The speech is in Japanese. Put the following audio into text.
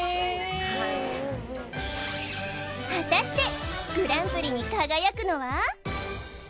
はい果たしてグランプリに輝くのは？